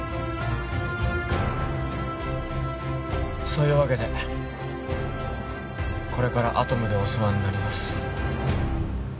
そういうわけでこれからアトムでお世話になります